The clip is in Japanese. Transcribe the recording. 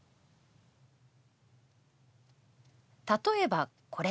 「例えばこれ。